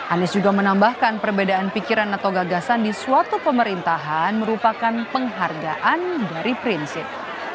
anies juga menambahkan perbedaan pikiran atau gagasan di suatu pemerintahan merupakan penghargaan dari prinsip